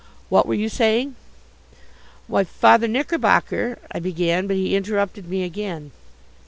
What were you saying?" "Why, Father Knickerbocker," I began, but he interrupted me again.